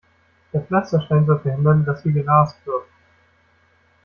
Der Pflasterstein soll verhindern, dass hier gerast wird.